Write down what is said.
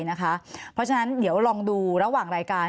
เพราะฉะนั้นเดี๋ยวลองดูระหว่างรายการ